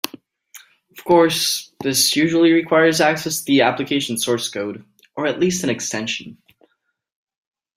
Of course, this usually requires access to the application source code (or at least an extension).